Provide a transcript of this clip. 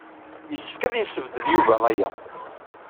Yessefk ad yessebded Yuba aya.